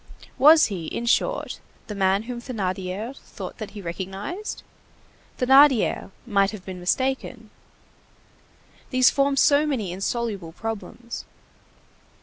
Was he, in short, the man whom Thénardier thought that he recognized? Thénardier might have been mistaken. These formed so many insoluble problems.